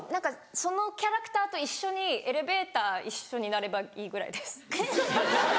そのキャラクターと一緒にエレベーター一緒になればいいぐらいです。